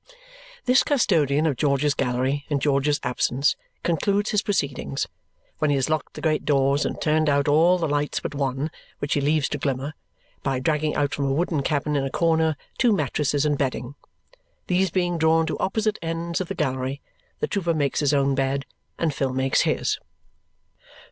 This custodian of George's Gallery in George's absence concludes his proceedings, when he has locked the great doors and turned out all the lights but one, which he leaves to glimmer, by dragging out from a wooden cabin in a corner two mattresses and bedding. These being drawn to opposite ends of the gallery, the trooper makes his own bed and Phil makes his.